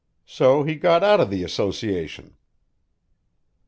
So he got out o' the association."